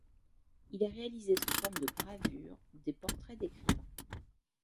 Il a réalisé sous forme de gravures des portraits d'écrivains.